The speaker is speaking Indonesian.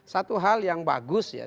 satu hal yang bagus